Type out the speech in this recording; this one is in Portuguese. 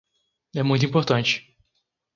É muito importante.